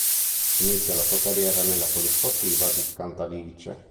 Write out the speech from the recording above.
Inizia la sua carriera nella Polisportiva di Cantalice.